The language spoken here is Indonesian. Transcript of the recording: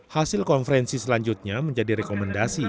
hasil konferensi selanjutnya menjadi rekomendasi